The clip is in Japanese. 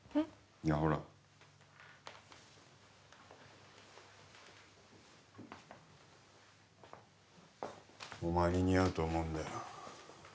いやほらお前に似合うと思うんだよ